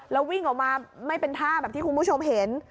แล้ววิ่งออกมาไม่เป็นท่าแบบที่คุณผู้ชมเห็น